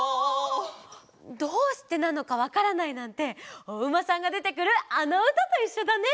どうしてなのかわからないなんておうまさんがでてくるあのうたといっしょだね！